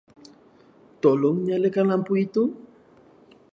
Tolong nyalakan lampu itu.